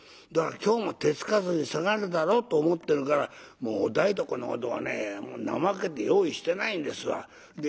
だから今日も手付かずで下がるだろうと思ってるからもうお台所の方ではね怠けて用意してないんですわ。